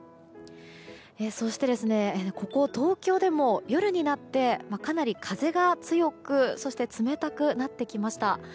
そして、ここ東京でも夜になってかなり風が強く冷たくなってきました。